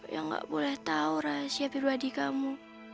yang gak boleh tahu rahasia pribadi kamu